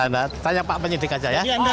nah tanya pak penyidik aja ya